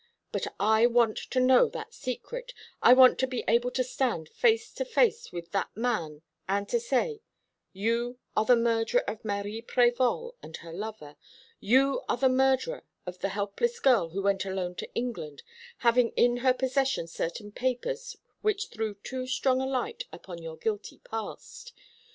But I want to know that secret, I want to be able to stand face to face with that man and to say, 'You are the murderer of Marie Prévol and her lover; you are the murderer of the helpless girl who went alone to England, having in her possession certain papers which threw too strong a light upon your guilty past.